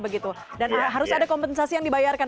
begitu dan harus ada kompensasi yang dibayarkan